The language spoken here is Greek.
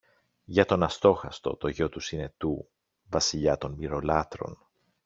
για τον Αστόχαστο, το γιο του Συνετού, Βασιλιά των Μοιρολάτρων.